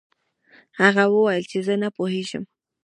هغه وویل چې زه نه پوهیږم.